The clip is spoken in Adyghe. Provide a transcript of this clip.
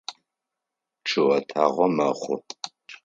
Чъыӏэтагъэ мэхъу.